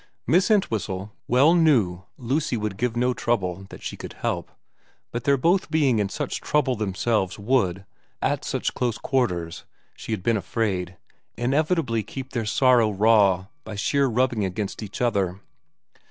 Miss Entwhistle well knew Lucy would give no trouble that she could help, but their both being in such trouble themselves would, at such close quarters, she had been afraid, inevitably keep their sorrow raw by sheer rubbing against each other.